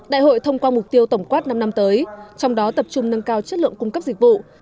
đại hội thông qua mục tiêu tổng quát năm năm tới trong đó tập trung nâng cao chất lượng cung cấp dịch vụ